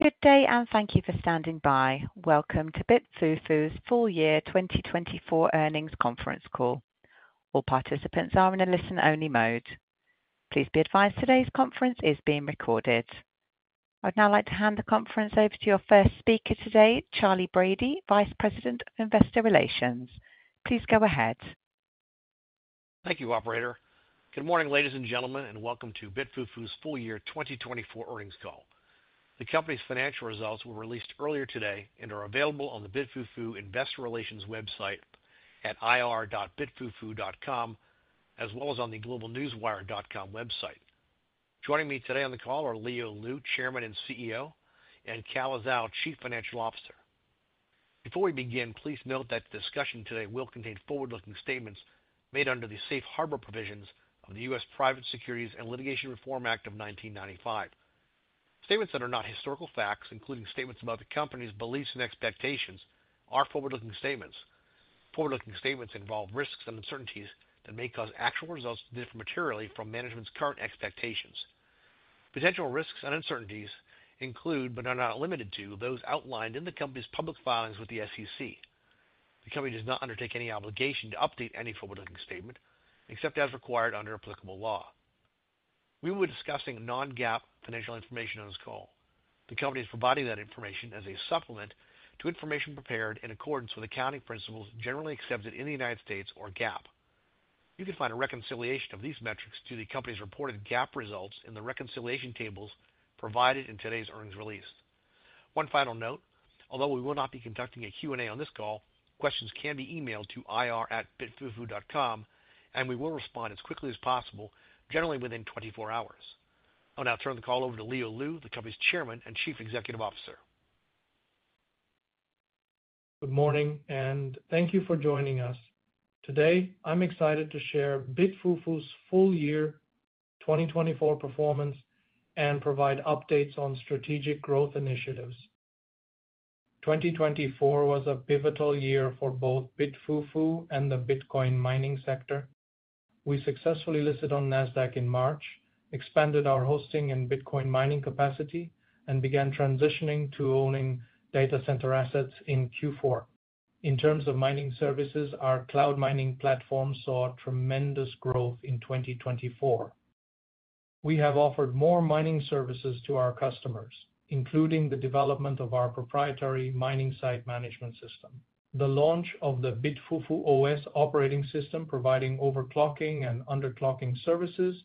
Good day and thank you for standing by. Welcome to BitFuFu's Full Year 2024 Earnings Conference Call. All participants are in a listen-only mode. Please be advised today's conference is being recorded. I'd now like to hand the conference over to your first speaker today, Charley Brady, Vice President of Investor Relations. Please go ahead. Thank you, Operator. Good morning, ladies and gentlemen, and welcome to BitFuFu's full year 2024 earnings call. The company's financial results were released earlier today and are available on the BitFuFu Investor Relations website at ir.bitfufu.com, as well as on the globenewswire.com website. Joining me today on the call are Leo Lu, Chairman and CEO, and Calla Zhao, Chief Financial Officer. Before we begin, please note that the discussion today will contain forward-looking statements made under the Safe Harbor provisions of the U.S. Private Securities and Litigation Reform Act of 1995. Statements that are not historical facts, including statements about the company's beliefs and expectations, are forward-looking statements. Forward-looking statements involve risks and uncertainties that may cause actual results to differ materially from management's current expectations. Potential risks and uncertainties include, but are not limited to, those outlined in the company's public filings with the SEC. The company does not undertake any obligation to update any forward-looking statement, except as required under applicable law. We will be discussing non-GAAP financial information on this call. The company is providing that information as a supplement to information prepared in accordance with accounting principles generally accepted in the United States, or GAAP. You can find a reconciliation of these metrics to the company's reported GAAP results in the reconciliation tables provided in today's earnings release. One final note: although we will not be conducting a Q&A on this call, questions can be emailed to ir.bitfufu.com, and we will respond as quickly as possible, generally within 24 hours. I'll now turn the call over to Leo Lu, the company's Chairman and Chief Executive Officer. Good morning and thank you for joining us. Today, I'm excited to share BitFuFu's full year 2024 performance and provide updates on strategic growth initiatives. 2024 was a pivotal year for both BitFuFu and the Bitcoin mining sector. We successfully listed on NASDAQ in March, expanded our hosting and Bitcoin mining capacity, and began transitioning to owning data center assets in Q4. In terms of mining services, our cloud mining platform saw tremendous growth in 2024. We have offered more mining services to our customers, including the development of our proprietary mining site management system, the launch of the BitFuFu OS operating system providing overclocking and underclocking services,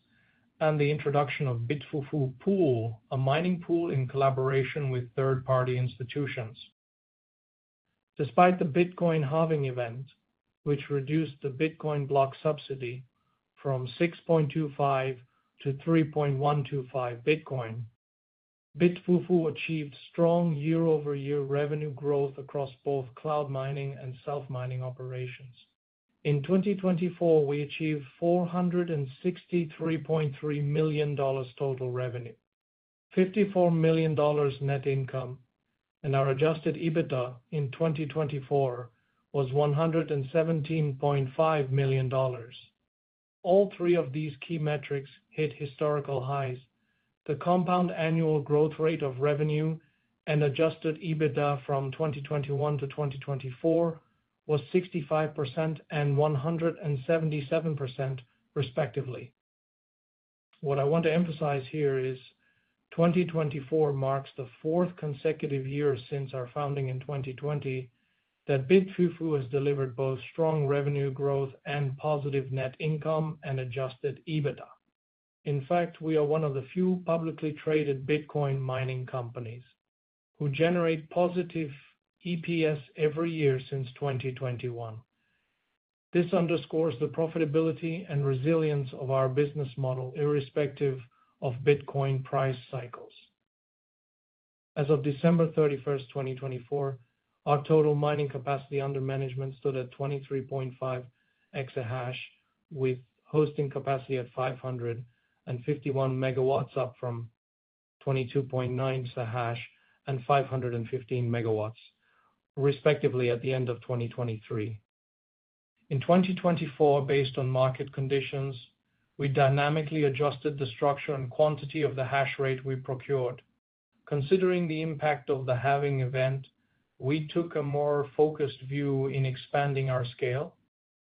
and the introduction of BitFuFu Pool, a mining pool in collaboration with third-party institutions. Despite the Bitcoin halving event, which reduced the Bitcoin block subsidy from 6.25 to 3.125 Bitcoin, BitFuFu achieved strong year-over-year revenue growth across both cloud mining and self-mining operations. In 2024, we achieved $463.3 million total revenue, $54 million net income, and our adjusted EBITDA in 2024 was $117.5 million. All three of these key metrics hit historical highs. The compound annual growth rate of revenue and adjusted EBITDA from 2021 to 2024 was 65% and 177%, respectively. What I want to emphasize here is 2024 marks the fourth consecutive year since our founding in 2020 that BitFuFu has delivered both strong revenue growth and positive net income and adjusted EBITDA. In fact, we are one of the few publicly traded Bitcoin mining companies who generate positive EPS every year since 2021. This underscores the profitability and resilience of our business model, irrespective of Bitcoin price cycles. As of December 31st, 2024, our total mining capacity under management stood at 23.5 exahash, with hosting capacity at 551 MW, up from 22.9 exahash and 515 MW, respectively, at the end of 2023. In 2024, based on market conditions, we dynamically adjusted the structure and quantity of the hash rate we procured. Considering the impact of the halving event, we took a more focused view in expanding our scale.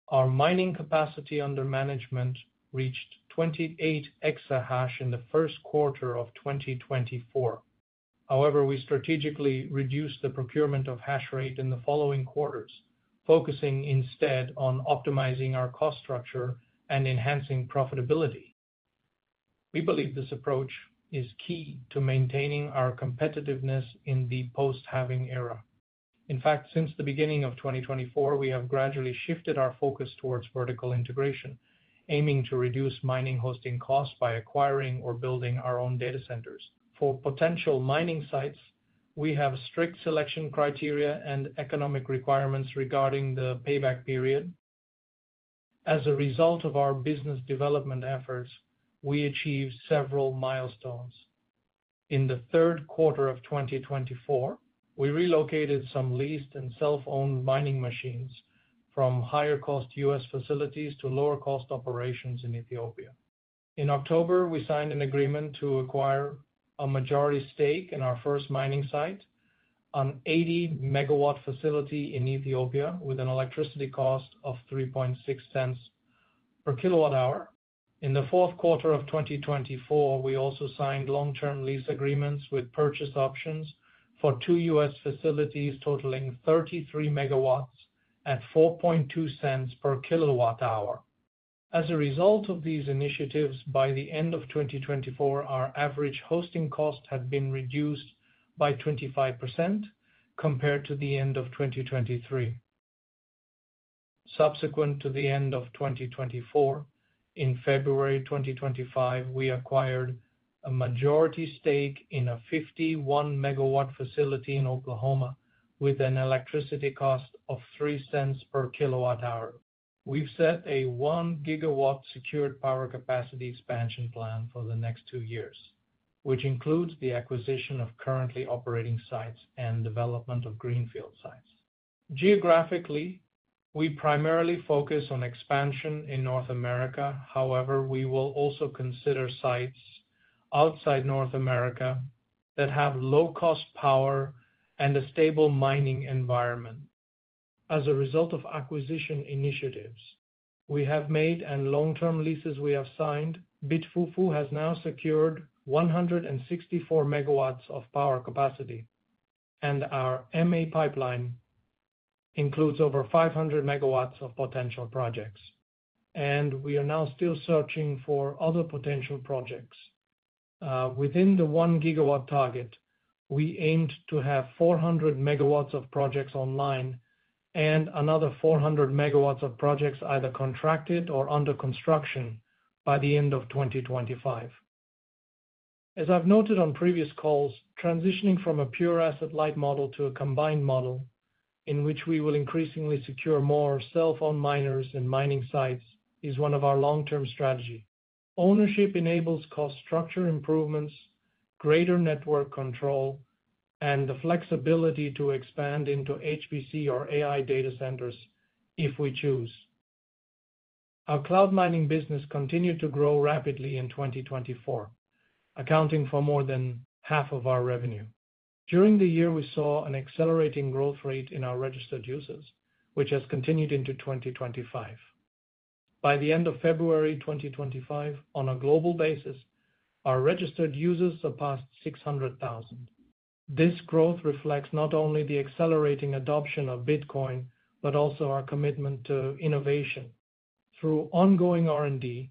Our mining capacity under management reached 28 exahash in the Q1 of 2024. However, we strategically reduced the procurement of hash rate in the following quarters, focusing instead on optimizing our cost structure and enhancing profitability. We believe this approach is key to maintaining our competitiveness in the post-halving era. In fact, since the beginning of 2024, we have gradually shifted our focus towards vertical integration, aiming to reduce mining hosting costs by acquiring or building our own data centers. For potential mining sites, we have strict selection criteria and economic requirements regarding the payback period. As a result of our business development efforts, we achieved several milestones. In the Q3 of 2024, we relocated some leased and self-owned mining machines from higher-cost U.S. facilities to lower-cost operations in Ethiopia. In October, we signed an agreement to acquire a majority stake in our first mining site, an 80 MW facility in Ethiopia, with an electricity cost of $0.036 per kWh. In the Q4 of 2024, we also signed long-term lease agreements with purchase options for two U.S. facilities totaling 33 MWs at $0.042 per kWh. As a result of these initiatives, by the end of 2024, our average hosting cost had been reduced by 25% compared to the end of 2023. Subsequent to the end of 2024, in February 2025, we acquired a majority stake in a 51 MW facility in Oklahoma with an electricity cost of $0.03 per kWh. We've set a 1-GW secured power capacity expansion plan for the next two years, which includes the acquisition of currently operating sites and development of greenfield sites. Geographically, we primarily focus on expansion in North America; however, we will also consider sites outside North America that have low-cost power and a stable mining environment. As a result of acquisition initiatives we have made and long-term leases we have signed, BitFuFu has now secured 164 MWs of power capacity, and our M&A pipeline includes over 500 MWs of potential projects, and we are now still searching for other potential projects. Within the 1-GW target, we aimed to have 400 MWs of projects online and another 400 MWs of projects either contracted or under construction by the end of 2025. As I've noted on previous calls, transitioning from a pure asset light model to a combined model, in which we will increasingly secure more self-owned miners and mining sites, is one of our long-term strategies. Ownership enables cost structure improvements, greater network control, and the flexibility to expand into HPC or AI data centers if we choose. Our cloud mining business continued to grow rapidly in 2024, accounting for more than half of our revenue. During the year, we saw an accelerating growth rate in our registered users, which has continued into 2025. By the end of February 2025, on a global basis, our registered users surpassed 600,000. This growth reflects not only the accelerating adoption of Bitcoin but also our commitment to innovation. Through ongoing R&D,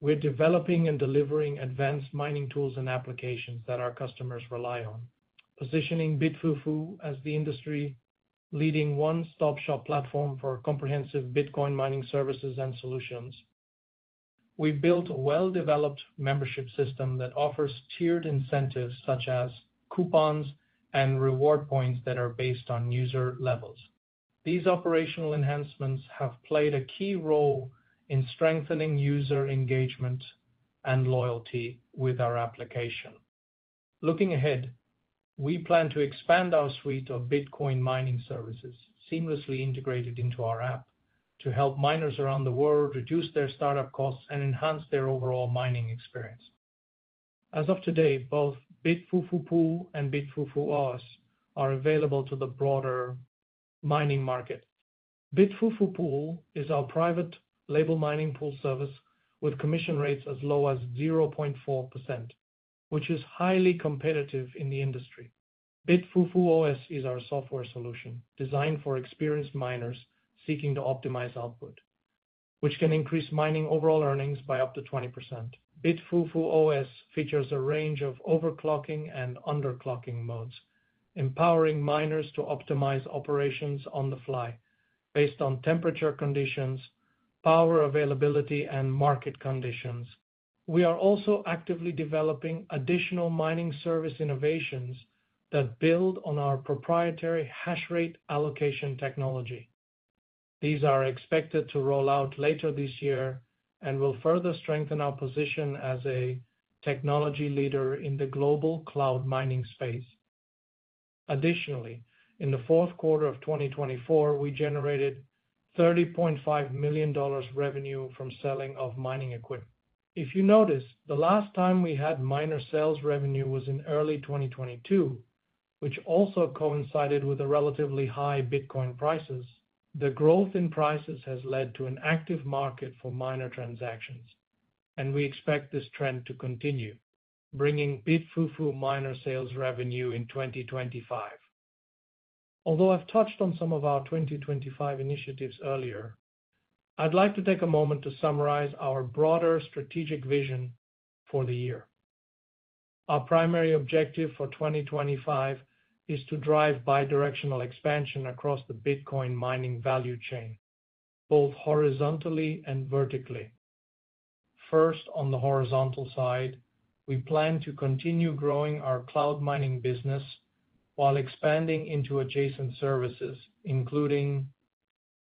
we're developing and delivering advanced mining tools and applications that our customers rely on, positioning BitFuFu as the industry-leading one-stop-shop platform for comprehensive Bitcoin mining services and solutions. We've built a well-developed membership system that offers tiered incentives such as coupons and reward points that are based on user levels. These operational enhancements have played a key role in strengthening user engagement and loyalty with our application. Looking ahead, we plan to expand our suite of Bitcoin mining services, seamlessly integrated into our app, to help miners around the world reduce their startup costs and enhance their overall mining experience. As of today, both BitFuFu Pool and BitFuFu OS are available to the broader mining market. BitFuFu Pool is our private label mining pool service with commission rates as low as 0.4%, which is highly competitive in the industry. BitFuFu OS is our software solution designed for experienced miners seeking to optimize output, which can increase mining overall earnings by up to 20%. BitFuFu OS features a range of overclocking and underclocking modes, empowering miners to optimize operations on the fly based on temperature conditions, power availability, and market conditions. We are also actively developing additional mining service innovations that build on our proprietary hash rate allocation technology. These are expected to roll out later this year and will further strengthen our position as a technology leader in the global cloud mining space. Additionally, in the Q4 of 2024, we generated $30.5 million revenue from selling of mining equipment. If you notice, the last time we had miner sales revenue was in early 2022, which also coincided with the relatively high Bitcoin prices. The growth in prices has led to an active market for miner transactions, and we expect this trend to continue, bringing BitFuFu miner sales revenue in 2025. Although I've touched on some of our 2025 initiatives earlier, I'd like to take a moment to summarize our broader strategic vision for the year. Our primary objective for 2025 is to drive bidirectional expansion across the Bitcoin mining value chain, both horizontally and vertically. First, on the horizontal side, we plan to continue growing our cloud mining business while expanding into adjacent services, including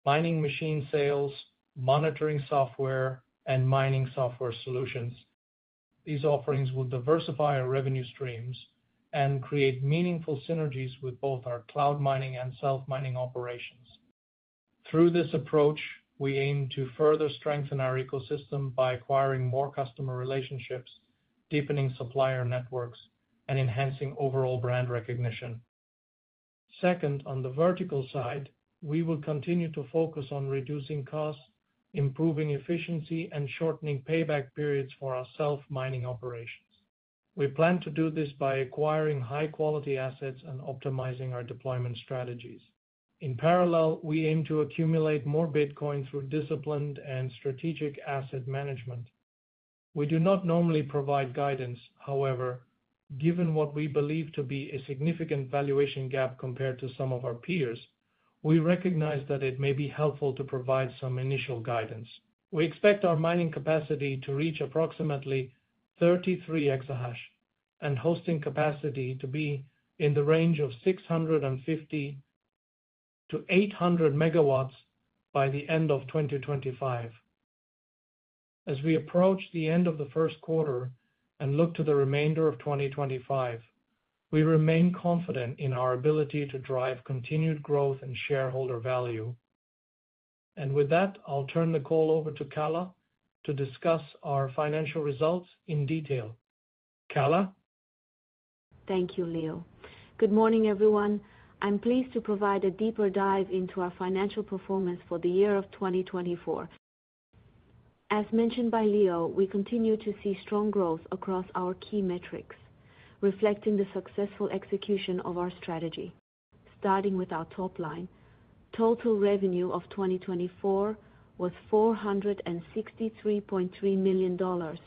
mining machine sales, monitoring software, and mining software solutions. These offerings will diversify our revenue streams and create meaningful synergies with both our cloud mining and self-mining operations. Through this approach, we aim to further strengthen our ecosystem by acquiring more customer relationships, deepening supplier networks, and enhancing overall brand recognition. Second, on the vertical side, we will continue to focus on reducing costs, improving efficiency, and shortening payback periods for our self-mining operations. We plan to do this by acquiring high-quality assets and optimizing our deployment strategies. In parallel, we aim to accumulate more Bitcoin through disciplined and strategic asset management. We do not normally provide guidance. However, given what we believe to be a significant valuation gap compared to some of our peers, we recognize that it may be helpful to provide some initial guidance. We expect our mining capacity to reach approximately 33 exahash and hosting capacity to be in the range of 650-800 MWs by the end of 2025. As we approach the end of the Q1 and look to the remainder of 2025, we remain confident in our ability to drive continued growth and shareholder value. With that, I'll turn the call over to Calla to discuss our financial results in detail. Calla? Thank you, Leo. Good morning, everyone. I'm pleased to provide a deeper dive into our financial performance for the year of 2024. As mentioned by Leo, we continue to see strong growth across our key metrics, reflecting the successful execution of our strategy. Starting with our top line, total revenue of 2024 was $463.3 million,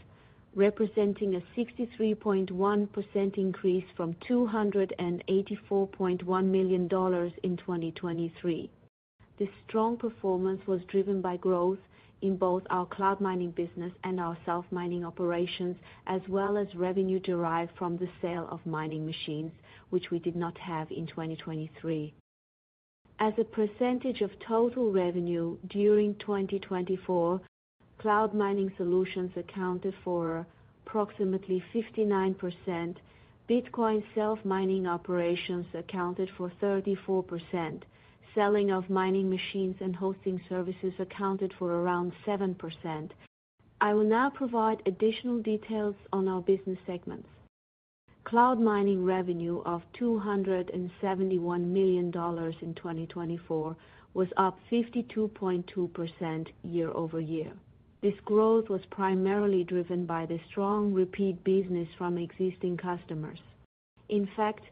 representing a 63.1% increase from $284.1 million in 2023. This strong performance was driven by growth in both our cloud mining business and our self-mining operations, as well as revenue derived from the sale of mining machines, which we did not have in 2023. As a percentage of total revenue during 2024, cloud mining solutions accounted for approximately 59%, Bitcoin self-mining operations accounted for 34%, selling of mining machines and hosting services accounted for around 7%. I will now provide additional details on our business segments. Cloud mining revenue of $271 million in 2024 was up 52.2% year-over-year. This growth was primarily driven by the strong repeat business from existing customers. In fact,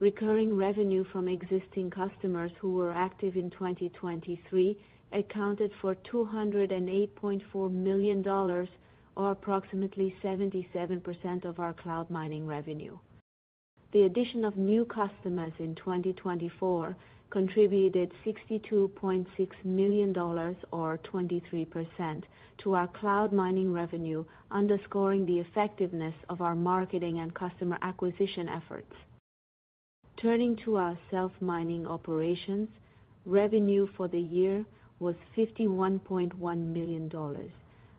recurring revenue from existing customers who were active in 2023 accounted for $208.4 million, or approximately 77% of our cloud mining revenue. The addition of new customers in 2024 contributed $62.6 million, or 23%, to our cloud mining revenue, underscoring the effectiveness of our marketing and customer acquisition efforts. Turning to our self-mining operations, revenue for the year was $51.1 million,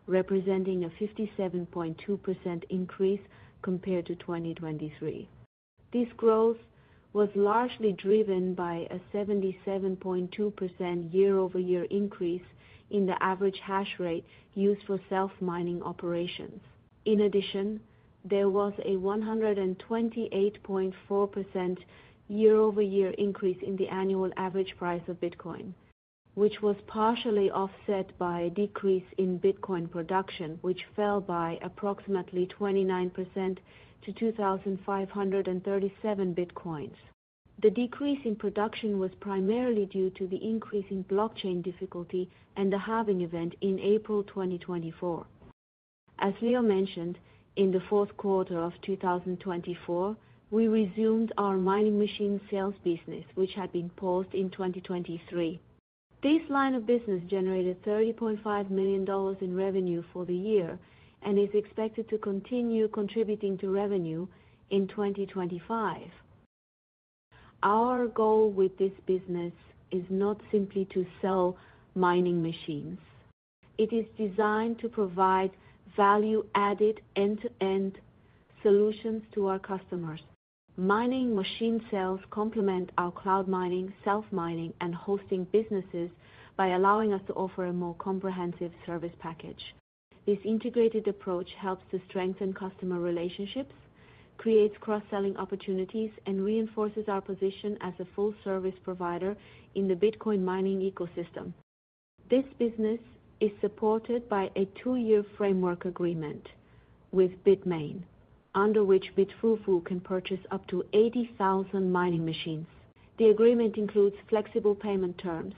representing a 57.2% increase compared to 2023. This growth was largely driven by a 77.2% year-over-year increase in the average hash rate used for self-mining operations. In addition, there was a 128.4% year-over-year increase in the annual average price of Bitcoin, which was partially offset by a decrease in Bitcoin production, which fell by approximately 29% to 2,537 Bitcoins. The decrease in production was primarily due to the increase in blockchain difficulty and the halving event in April 2024. As Leo mentioned, in the Q4 of 2024, we resumed our mining machine sales business, which had been paused in 2023. This line of business generated $30.5 million in revenue for the year and is expected to continue contributing to revenue in 2025. Our goal with this business is not simply to sell mining machines. It is designed to provide value-added end-to-end solutions to our customers. Mining machine sales complement our cloud mining, self-mining, and hosting businesses by allowing us to offer a more comprehensive service package. This integrated approach helps to strengthen customer relationships, creates cross-selling opportunities, and reinforces our position as a full-service provider in the Bitcoin mining ecosystem. This business is supported by a two-year framework agreement with Bitmain, under which BitFuFu can purchase up to 80,000 mining machines. The agreement includes flexible payment terms,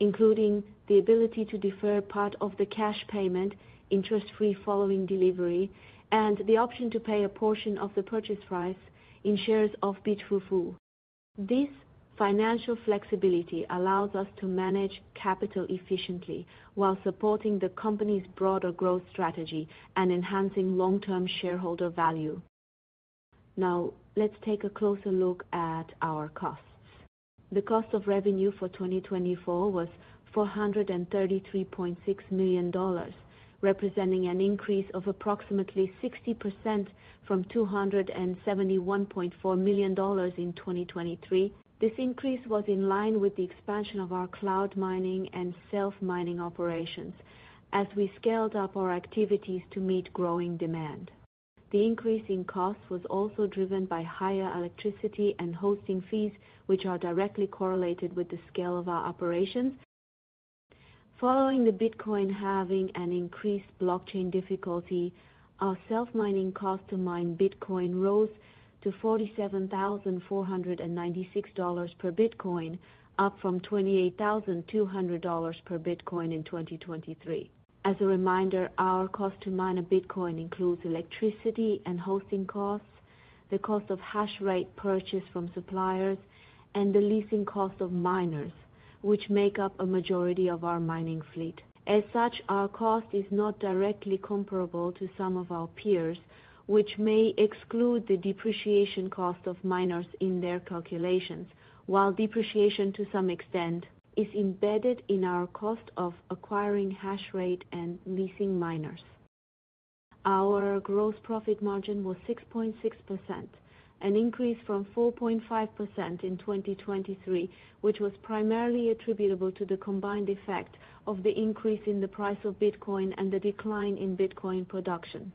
including the ability to defer part of the cash payment interest-free following delivery and the option to pay a portion of the purchase price in shares of BitFuFu. This financial flexibility allows us to manage capital efficiently while supporting the company's broader growth strategy and enhancing long-term shareholder value. Now, let's take a closer look at our costs. The cost of revenue for 2024 was $433.6 million, representing an increase of approximately 60% from $271.4 million in 2023. This increase was in line with the expansion of our cloud mining and self-mining operations, as we scaled up our activities to meet growing demand. The increase in costs was also driven by higher electricity and hosting fees, which are directly correlated with the scale of our operations. Following the Bitcoin halving and increased blockchain difficulty, our self-mining cost to mine Bitcoin rose to $47,496 per Bitcoin, up from $28,200 per Bitcoin in 2023. As a reminder, our cost to mine a Bitcoin includes electricity and hosting costs, the cost of hash rate purchase from suppliers, and the leasing cost of miners, which make up a majority of our mining fleet. As such, our cost is not directly comparable to some of our peers, which may exclude the depreciation cost of miners in their calculations, while depreciation, to some extent, is embedded in our cost of acquiring hash rate and leasing miners. Our gross profit margin was 6.6%, an increase from 4.5% in 2023, which was primarily attributable to the combined effect of the increase in the price of Bitcoin and the decline in Bitcoin production.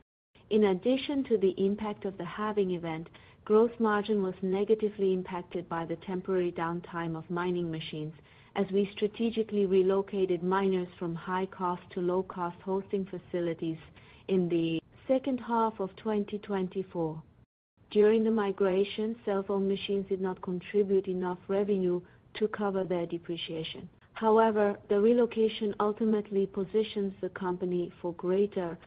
In addition to the impact of the halving event, gross margin was negatively impacted by the temporary downtime of mining machines, as we strategically relocated miners from high-cost to low-cost hosting facilities in the second half of 2024. During the migration, self-owned machines did not contribute enough revenue to cover their depreciation. However, the relocation ultimately positions the company for greater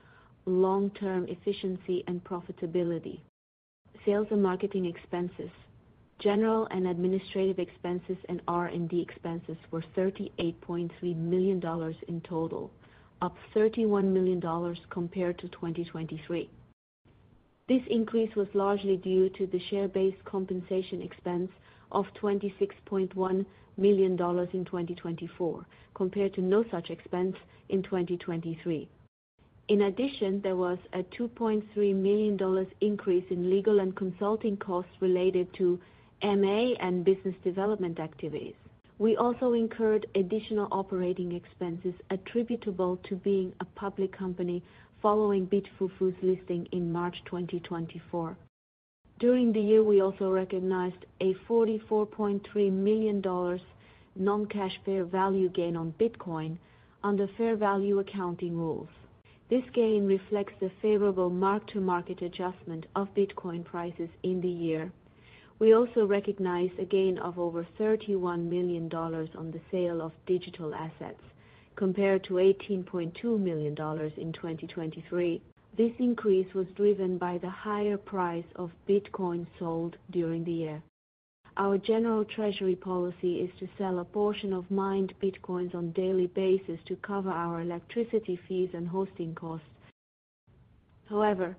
long-term efficiency and profitability. Sales and marketing expenses, general and administrative expenses, and R&D expenses were $38.3 million in total, up $31 million compared to 2023. This increase was largely due to the share-based compensation expense of $26.1 million in 2024, compared to no such expense in 2023. In addition, there was a $2.3 million increase in legal and consulting costs related to M&A and business development activities. We also incurred additional operating expenses attributable to being a public company following BitFuFu's listing in March 2024. During the year, we also recognized a $44.3 million non-cash fair value gain on Bitcoin under fair value accounting rules. This gain reflects the favorable mark-to-market adjustment of Bitcoin prices in the year. We also recognize a gain of over $31 million on the sale of digital assets, compared to $18.2 million in 2023. This increase was driven by the higher price of Bitcoin sold during the year. Our general treasury policy is to sell a portion of mined Bitcoins on a daily basis to cover our electricity fees and hosting costs. However,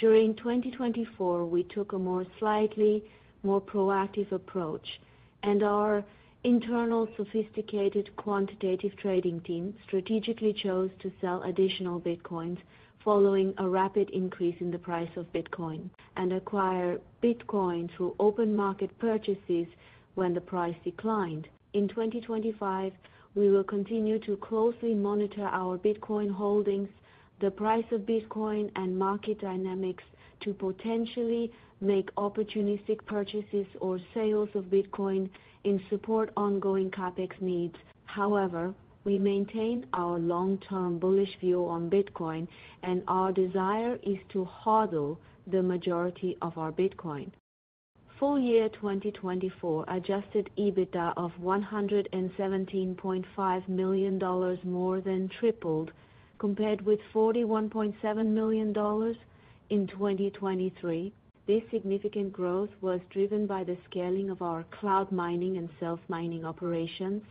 during 2024, we took a slightly more proactive approach, and our internal sophisticated quantitative trading team strategically chose to sell additional Bitcoins following a rapid increase in the price of Bitcoin and acquire Bitcoin through open market purchases when the price declined. In 2025, we will continue to closely monitor our Bitcoin holdings, the price of Bitcoin, and market dynamics to potentially make opportunistic purchases or sales of Bitcoin in support of ongoing CapEx needs. However, we maintain our long-term bullish view on Bitcoin, and our desire is to hurdle the majority of our Bitcoin. Full year 2024 adjusted EBITDA of $117.5 million more than tripled, compared with $41.7 million in 2023. This significant growth was driven by the scaling of our cloud mining and self-mining operations,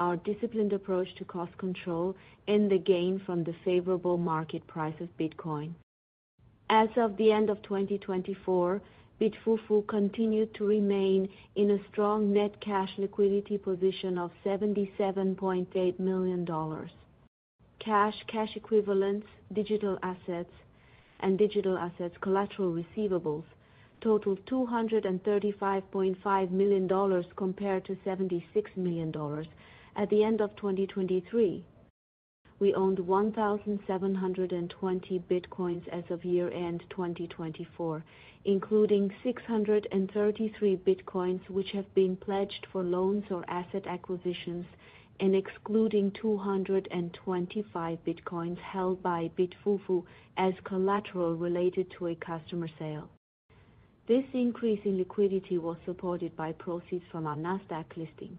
our disciplined approach to cost control, and the gain from the favorable market price of Bitcoin. As of the end of 2024, BitFuFu continued to remain in a strong net cash liquidity position of $77.8 million. Cash, cash equivalents, digital assets, and digital assets collateral receivables totaled $235.5 million compared to $76 million at the end of 2023. We owned 1,720 Bitcoins as of year-end 2024, including 633 Bitcoins which have been pledged for loans or asset acquisitions, and excluding 225 Bitcoins held by BitFuFu as collateral related to a customer sale. This increase in liquidity was supported by proceeds from our Nasdaq listing,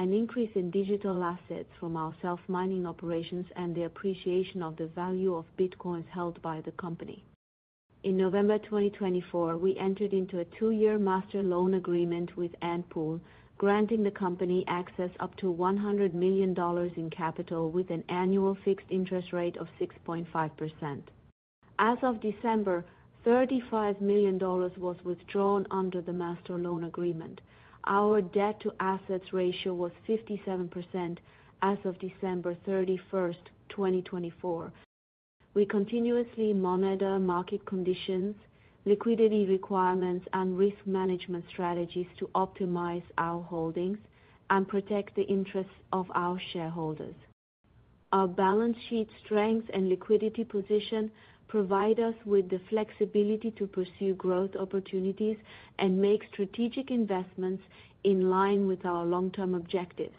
an increase in digital assets from our self-mining operations, and the appreciation of the value of Bitcoins held by the company. In November 2024, we entered into a two-year master loan agreement with Antpool, granting the company access up to $100 million in capital with an annual fixed interest rate of 6.5%. As of December, $35 million was withdrawn under the master loan agreement. Our debt-to-assets ratio was 57% as of December 31st, 2024. We continuously monitor market conditions, liquidity requirements, and risk management strategies to optimize our holdings and protect the interests of our shareholders. Our balance sheet strength and liquidity position provide us with the flexibility to pursue growth opportunities and make strategic investments in line with our long-term objectives.